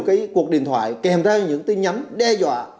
cái cuộc điện thoại kèm ra những tin nhắn đe dọa